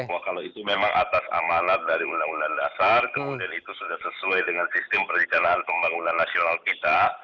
bahwa kalau itu memang atas amanat dari undang undang dasar kemudian itu sudah sesuai dengan sistem perencanaan pembangunan nasional kita